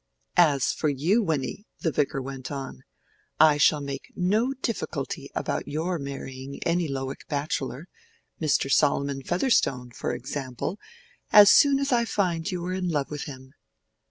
"As for you, Winny"—the Vicar went on—"I shall make no difficulty about your marrying any Lowick bachelor—Mr. Solomon Featherstone, for example, as soon as I find you are in love with him."